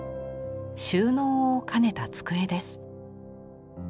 収納を兼ねた机です。